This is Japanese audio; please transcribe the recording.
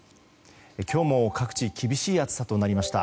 今日も各地厳しい暑さとなりました。